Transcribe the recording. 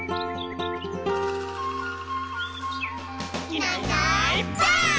「いないいないばあっ！」